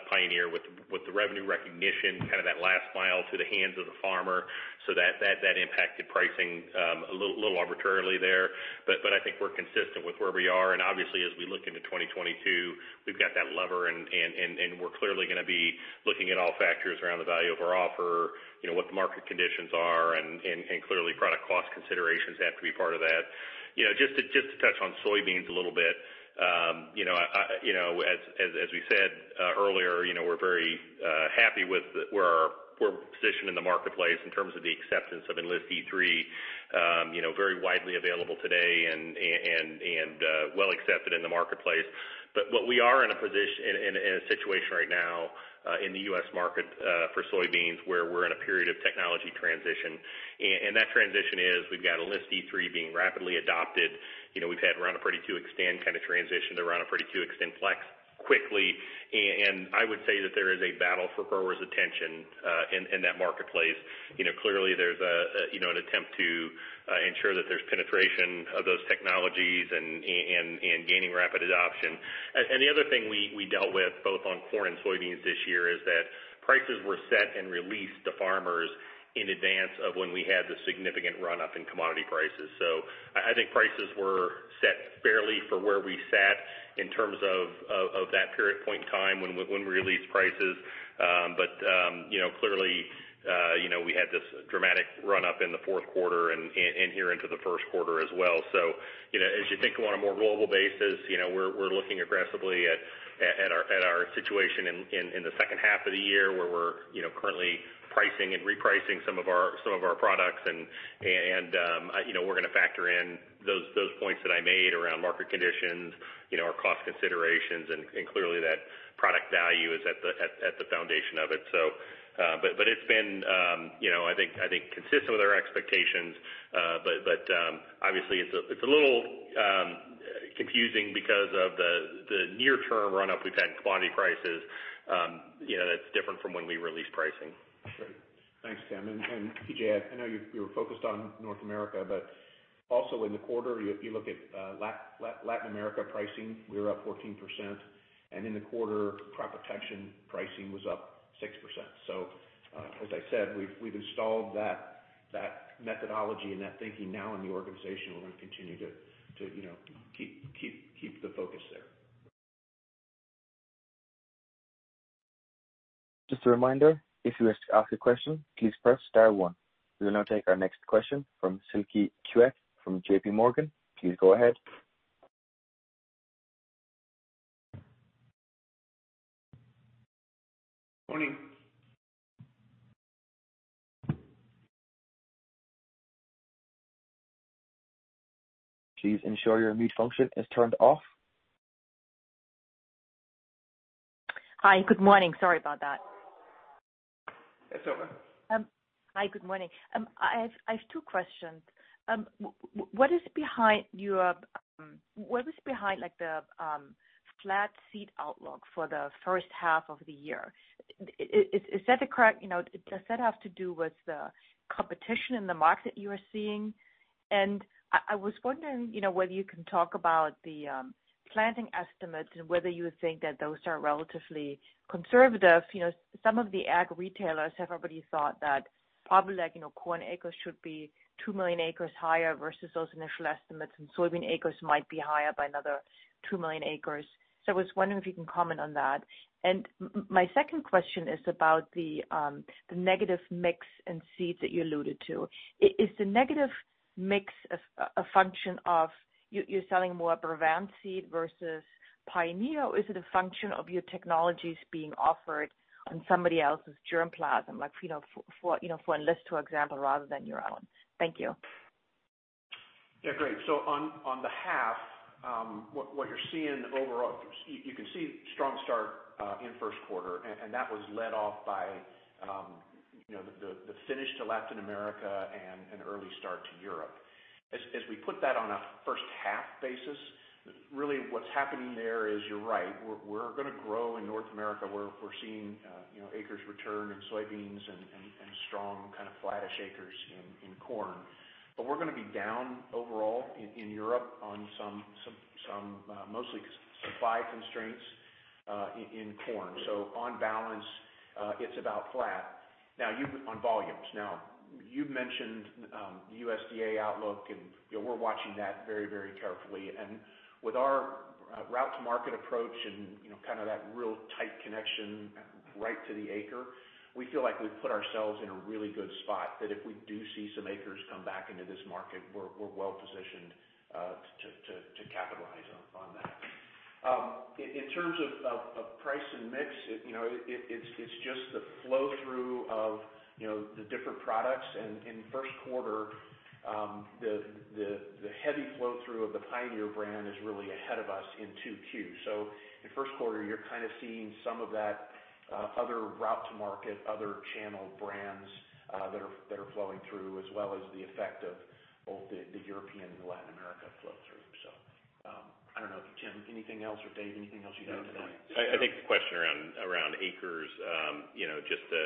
Pioneer with the revenue recognition, kind of that last mile to the hands of the farmer. That impacted pricing a little arbitrarily there. I think we're consistent with where we are, and obviously as we look into 2022, we've got that lever and we're clearly going to be looking at all factors around the value of our offer, what the market conditions are and clearly product cost considerations have to be part of that. Just to touch on soybeans a little bit. As we said earlier, we're very happy with where we're positioned in the marketplace in terms of the acceptance of Enlist E3. Very widely available today and well accepted in the marketplace. We are in a situation right now, in the U.S. market for soybeans, where we're in a period of technology transition. That transition is we've got Enlist E3 being rapidly adopted. We've had Roundup Ready 2 Xtend kind of transition to Roundup Ready 2 XtendFlex quickly. I would say that there is a battle for growers' attention in that marketplace. Clearly there's an attempt to ensure that there's penetration of those technologies and gaining rapid adoption. The other thing we dealt with both on corn and soybeans this year is that prices were set and released to farmers in advance of when we had the significant run-up in commodity prices. I think prices were set fairly for where we sat in terms of that period point in time when we released prices. Clearly, we had this dramatic run-up in the fourth quarter and here into the first quarter as well. As you think on a more global basis, we're looking aggressively at our situation in the second half of the year where we're currently pricing and repricing some of our products and we're going to factor in those points that I made around market conditions, our cost considerations and clearly that product value is at the foundation of it. It's been, I think consistent with our expectations. Obviously it's a little confusing because of the near term run-up we've had in commodity prices that's different from when we released pricing. Great. Thanks, Tim, and P.J. I know you were focused on North America, but also in the quarter, if you look at Latin America pricing, we were up 14% and in the quarter, crop protection pricing was up 6%. As I said, we've installed that methodology and that thinking now in the organization. We're going to continue to keep the focus there. Just a reminder, if you wish to ask a question, please press star one. We will now take our next question from Silke Kueck from JPMorgan. Please go ahead. Morning. Please ensure your mute function is turned off. Hi, good morning. Sorry about that. It's okay. Hi, good morning. I have two questions. What is behind the flat seed outlook for the first half of the year? Does that have to do with the competition in the market you are seeing? I was wondering whether you can talk about the planting estimates and whether you think that those are relatively conservative. Some of the ag retailers have already thought that probably corn acres should be 2 million acres higher versus those initial estimates, and soybean acres might be higher by another 2 million acres. I was wondering if you can comment on that. My second question is about the negative mix in seeds that you alluded to. Is the negative mix a function of you're selling more Brevant seed versus Pioneer, or is it a function of your technologies being offered on somebody else's germplasm, like for Enlist, for example, rather than your own? Thank you. Yeah. Great. On the half, what you're seeing overall, you can see strong start in first quarter, that was led off by the finish to Latin America and an early start to Europe. As we put that on a first-half basis, really what's happening there is you're right, we're going to grow in North America. We're seeing acres return in soybeans and strong kind of flattish acres in corn. We're going to be down overall in Europe on mostly supply constraints in corn. On balance, it's about flat on volumes. Now, you've mentioned the USDA outlook, we're watching that very carefully. With our route to market approach and kind of that real tight connection right to the acre, we feel like we've put ourselves in a really good spot, that if we do see some acres come back into this market, we're well-positioned to capitalize on that. In terms of price and mix, it's just the flow-through of the different products. In first quarter, the heavy flow-through of the Pioneer brand is really ahead of us in Q2. I don't know. Tim, anything else, or Dave, anything else you'd add to that? I think the question around acres, just the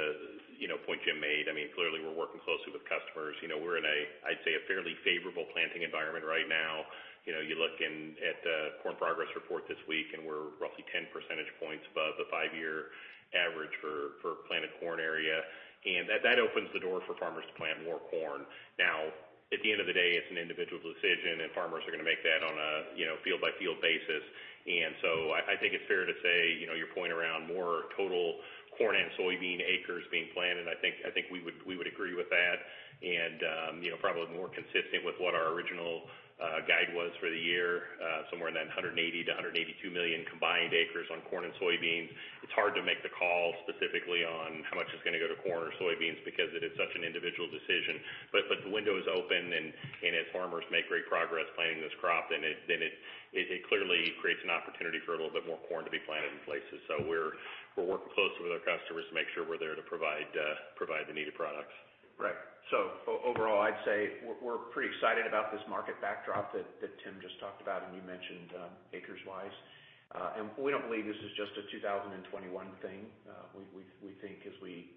point Jim made, clearly we're working closely with customers. We're in a, I'd say, a fairly favorable planting environment right now. You look at the corn progress report this week, we're roughly 10 percentage points above the five-year average for planted corn area, that opens the door for farmers to plant more corn. Now, at the end of the day, it's an individual decision, farmers are going to make that on a field-by-field basis. I think it's fair to say your point around more total corn and soybean acres being planted, I think we would agree with that and probably more consistent with what our original guide was for the year, somewhere in that 180 million-182 million combined acres on corn and soybeans. It's hard to make the call specifically on how much is going to go to corn or soybeans because it is such an individual decision. The window is open and as farmers make great progress planting this crop then it clearly creates an opportunity for a little bit more corn to be planted in places. We're working closely with our customers to make sure we're there to provide the needed products. Right. Overall, I'd say we're pretty excited about this market backdrop that Tim just talked about and you mentioned acres wise. We don't believe this is just a 2021 thing. We think as we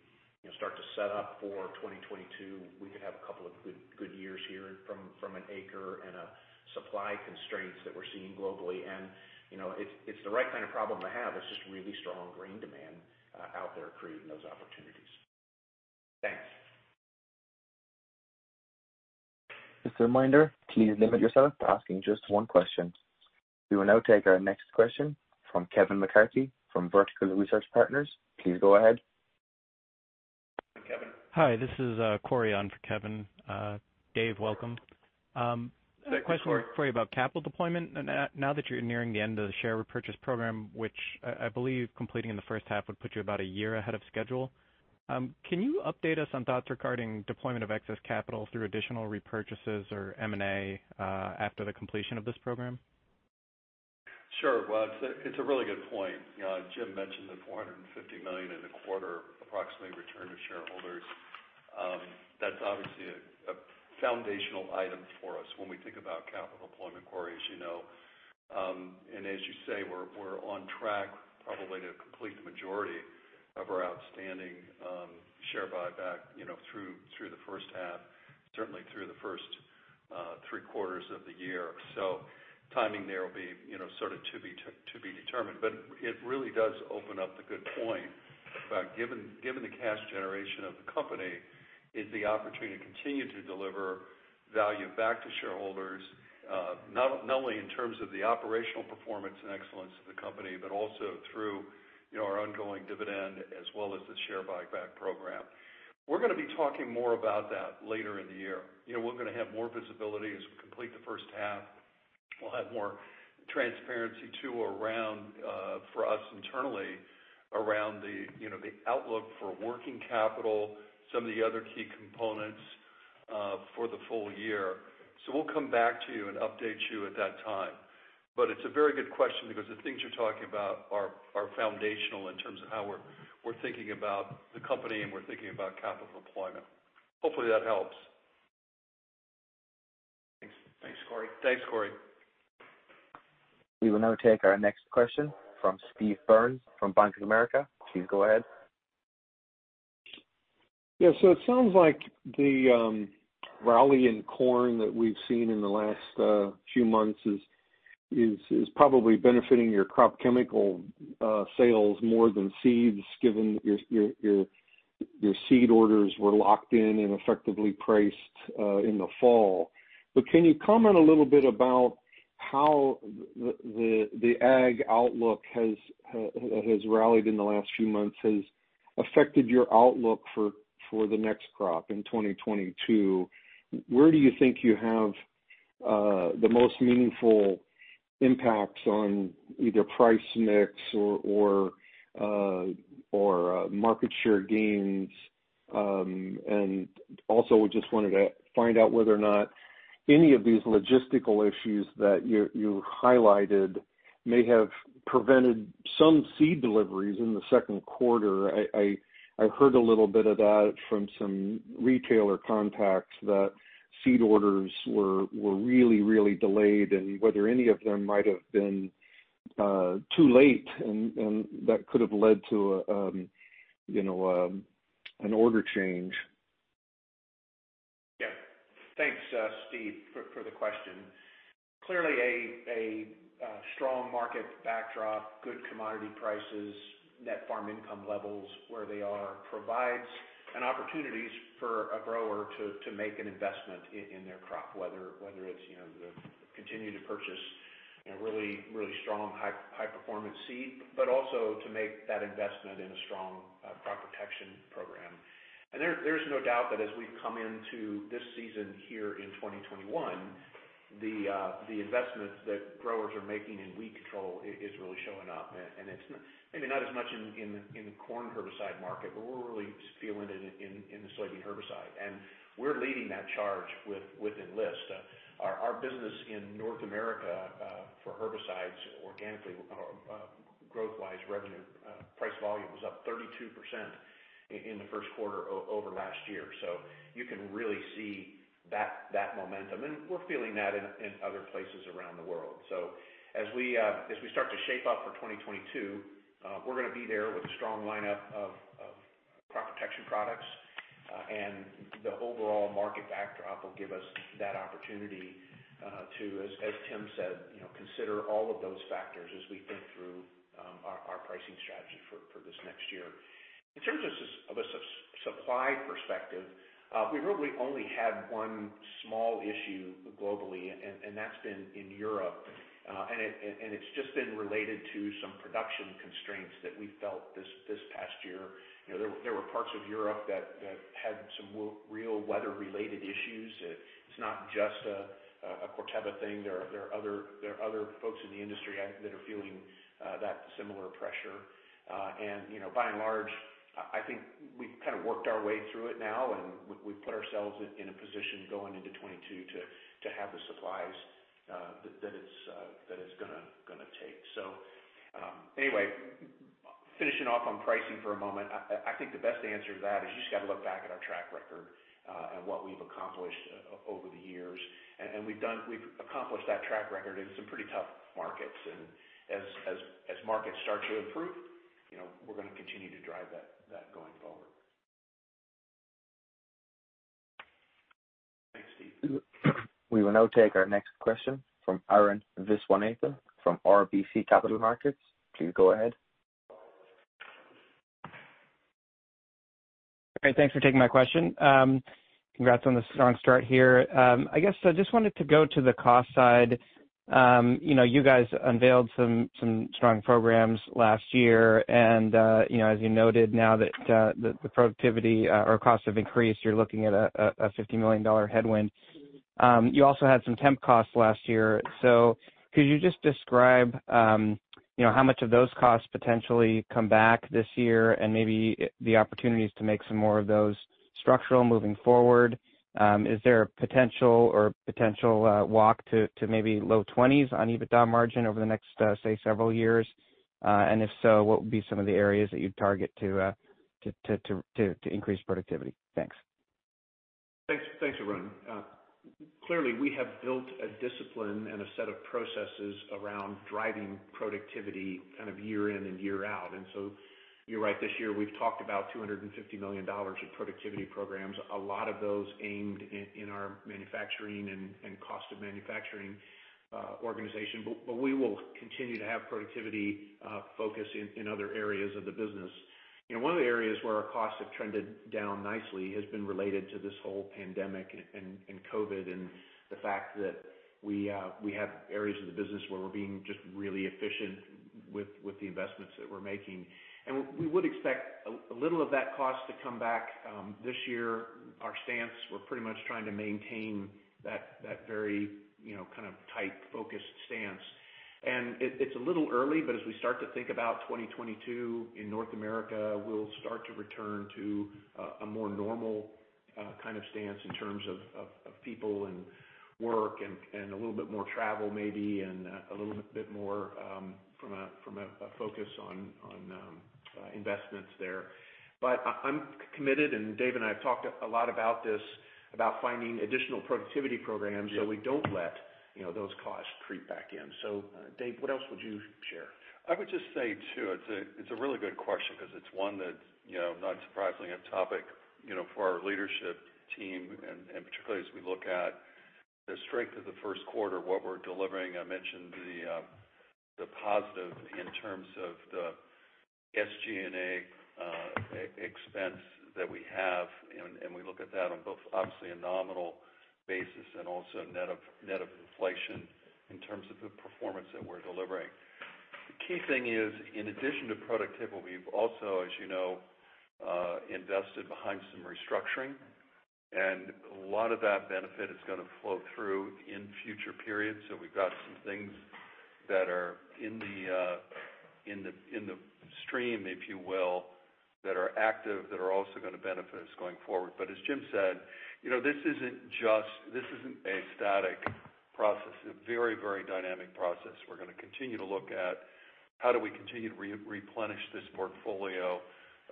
start to set up for 2022, we could have a couple of good years here from an acre and a supply constraints that we're seeing globally. It's the right kind of problem to have. It's just really strong grain demand out there creating those opportunities. Thanks. Just a reminder, please limit yourself to asking just one question. We will now take our next question from Kevin McCarthy from Vertical Research Partners. Please go ahead. Hi, this is Corey on for Kevin. Dave, welcome. The question for you about capital deployment. Now that you're nearing the end of the share repurchase program, which I believe completing in the first half would put you about a year ahead of schedule, can you update us on thoughts regarding deployment of excess capital through additional repurchases or M&A after the completion of this program? Sure. Well, it's a really good point. Jim mentioned the $450 million in the quarter approximately return to shareholders. That's obviously a foundational item for us when we think about capital deployment, Corey, as you know. As you say, we're on track probably to complete the majority of our outstanding share buyback through the first half, certainly through the first three quarters of the year. Timing there will be sort of to be determined, but it really does open up the good point about given the cash generation of the company is the opportunity to continue to deliver value back to shareholders. Not only in terms of the operational performance and excellence of the company, but also through our ongoing dividend as well as the share buyback program. We're going to be talking more about that later in the year. We're going to have more visibility as we complete the first half. We'll have more transparency too for us internally around the outlook for working capital, some of the other key components for the full year. We'll come back to you and update you at that time. It's a very good question because the things you're talking about are foundational in terms of how we're thinking about the company and we're thinking about capital deployment. Hopefully that helps. Thanks. Thanks, Corey. Thanks, Corey. We will now take our next question from Steve Byrne from Bank of America. Please go ahead. It sounds like the rally in corn that we've seen in the last few months is probably benefiting your crop chemical sales more than seeds, given your seed orders were locked in and effectively priced in the fall. Can you comment a little bit about how the ag outlook has rallied in the last few months, has affected your outlook for the next crop in 2022? Where do you think you have the most meaningful impacts on either price mix or market share gains? Also, just wanted to find out whether or not any of these logistical issues that you highlighted may have prevented some seed deliveries in the second quarter. I heard a little bit about it from some retailer contacts that seed orders were really delayed, and whether any of them might have been too late and that could have led to an order change. Thanks, Steve, for the question. Clearly a strong market backdrop, good commodity prices, net farm income levels where they are provides an opportunities for a grower to make an investment in their crop, whether it's to continue to purchase really strong high-performance seed, but also to make that investment in a strong crop protection program. There's no doubt that as we've come into this season here in 2021, the investments that growers are making in weed control is really showing up. It's maybe not as much in the corn herbicide market, but we're really feeling it in the soybean herbicide. We're leading that charge with Enlist. Our business in North America for herbicides organically growth-wise, revenue price volume was up 32% in the first quarter over last year. You can really see that momentum. We're feeling that in other places around the world. As we start to shape up for 2022, we're going to be there with a strong lineup of crop protection products. The overall market backdrop will give us that opportunity to, as Tim said, consider all of those factors as we think through our pricing strategy for this next year. In terms of a supply perspective, we've really only had one small issue globally and that's been in Europe. It's just been related to some production constraints that we felt this past year. There were parts of Europe that had some real weather-related issues. It's not just a Corteva thing. There are other folks in the industry that are feeling that similar pressure. By and large, I think we've kind of worked our way through it now and we've put ourselves in a position going into 2022 to have the supplies that it's going to take. Anyway, finishing off on pricing for a moment, I think the best answer to that is you just got to look back at our track record, and what we've accomplished over the years. We've accomplished that track record in some pretty tough markets. As markets start to improve, we're going to continue to drive that going forward. We will now take our next question from Arun Viswanathan from RBC Capital Markets. Please go ahead. Great. Thanks for taking my question. Congrats on the strong start here. I guess I just wanted to go to the cost side. You guys unveiled some strong programs last year and, as you noted, now that the productivity or costs have increased, you're looking at a $50 million headwind. You also had some temp costs last year. Could you just describe how much of those costs potentially come back this year and maybe the opportunities to make some more of those structural moving forward? Is there a potential walk to maybe low twenties on operating EBITDA margin over the next, say, several years? If so, what would be some of the areas that you'd target to increase productivity? Thanks. Thanks, Arun. Clearly, we have built a discipline and a set of processes around driving productivity kind of year in and year out. You're right, this year we've talked about $250 million of productivity programs, a lot of those aimed in our manufacturing and cost of manufacturing organization. We will continue to have productivity focus in other areas of the business. One of the areas where our costs have trended down nicely has been related to this whole pandemic and COVID and the fact that we have areas of the business where we're being just really efficient with the investments that we're making. We would expect a little of that cost to come back this year. Our stance, we're pretty much trying to maintain that very kind of tight, focused stance. It's a little early, but as we start to think about 2022 in North America, we'll start to return to a more normal kind of stance in terms of people and work and a little bit more travel maybe and a little bit more from a focus on investments there. I'm committed, and Dave and I have talked a lot about this, about finding additional productivity programs. We don't let those costs creep back in. Dave, what else would you share? I would just say, too, it's a really good question because it's one that's not surprisingly a topic for our leadership team, and particularly as we look at the strength of the first quarter, what we're delivering. I mentioned the positive in terms of the SG&A expense that we have. We look at that on both, obviously, a nominal basis and also net of inflation in terms of the performance that we're delivering. The key thing is, in addition to productivity, we've also, as you know, invested behind some restructuring. A lot of that benefit is going to flow through in future periods. We've got some things that are in the stream, if you will, that are active that are also going to benefit us going forward. As Jim said, this isn't a static process. It's a very dynamic process. We're going to continue to look at how do we continue to replenish this portfolio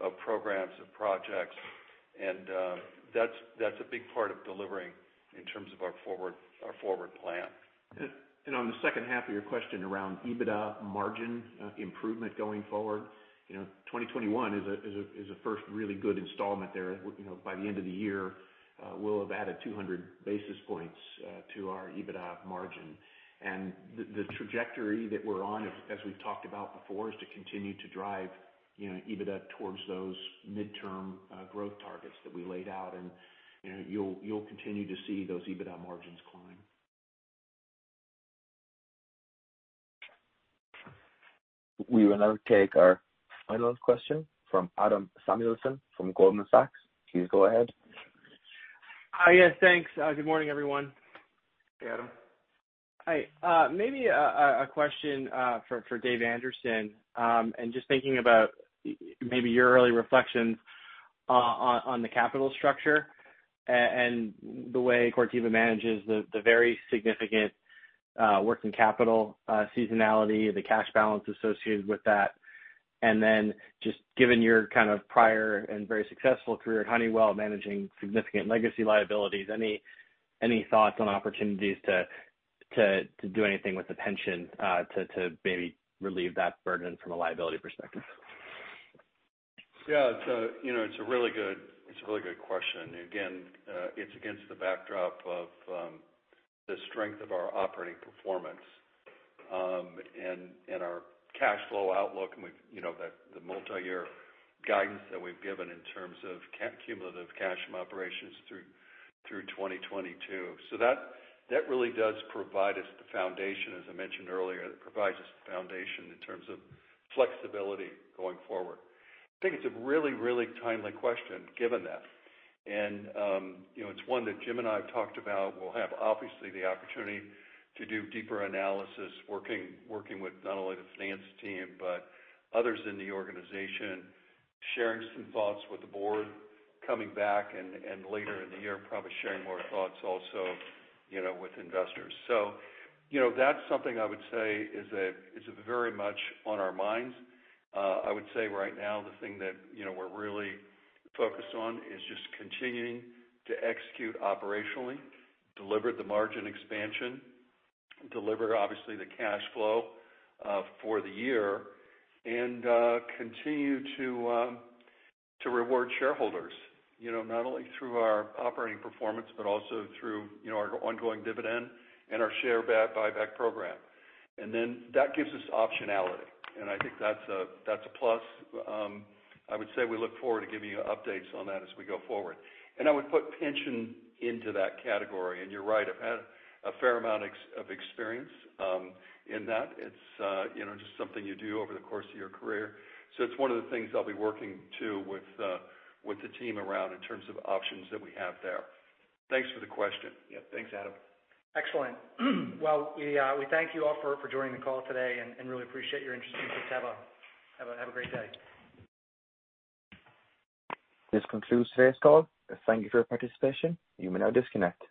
of programs and projects. That's a big part of delivering in terms of our forward plan. On the second half of your question around EBITDA margin improvement going forward, 2021 is a first really good installment there. By the end of the year, we'll have added 200 basis points to our EBITDA margin. The trajectory that we're on, as we've talked about before, is to continue to drive EBITDA towards those midterm growth targets that we laid out. You'll continue to see those EBITDA margins climb. We will now take our final question from Adam Samuelson from Goldman Sachs. Please go ahead. Hi, yes, thanks. Good morning, everyone. Hey, Adam. Hi. Maybe a question for Dave Anderson. Just thinking about maybe your early reflections on the capital structure and the way Corteva manages the very significant working capital seasonality, the cash balance associated with that, and then just given your prior and very successful career at Honeywell managing significant legacy liabilities, any thoughts on opportunities to do anything with the pension to maybe relieve that burden from a liability perspective? Yeah. It's a really good question. Again, it's against the backdrop of the strength of our operating performance, and our cash flow outlook, and the multi-year guidance that we've given in terms of cumulative cash from operations through 2022. That really does provide us the foundation, as I mentioned earlier, in terms of flexibility going forward. I think it's a really timely question, given that. It's one that Jim and I have talked about. We'll have, obviously, the opportunity to do deeper analysis working with not only the finance team, but others in the organization, sharing some thoughts with the board, coming back, later in the year, probably sharing more thoughts also with investors. That's something I would say is very much on our minds. I would say right now the thing that we're really focused on is just continuing to execute operationally, deliver the margin expansion, deliver, obviously, the cash flow for the year, and continue to reward shareholders. Not only through our operating performance, but also through our ongoing dividend and our share buyback program. That gives us optionality, and I think that's a plus. I would say we look forward to giving you updates on that as we go forward. I would put pension into that category. You're right, I've had a fair amount of experience in that. It's just something you do over the course of your career. It's one of the things I'll be working, too, with the team around in terms of options that we have there. Thanks for the question. Yeah. Thanks, Adam. Excellent. Well, we thank you all for joining the call today, and really appreciate your interest in Corteva. Have a great day. This concludes today's call. Thank you for your participation. You may now disconnect.